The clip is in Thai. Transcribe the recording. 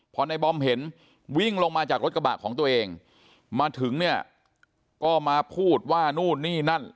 พอในบอมเห็นวิ่งลงมาจากรถกระบะของตัวเองมาถึงเนี่ยก็มาพูดว่านู่นนี่นั่น